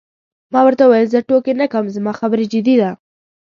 ما ورته وویل: زه ټوکې نه کوم، زما خبره جدي ده.